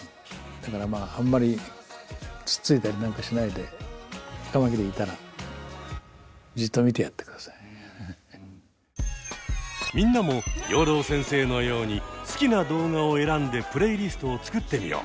だからあんまりつっついたりなんかしないでカマキリいたらみんなも養老先生のように好きな動画を選んでプレイリストを作ってみよう。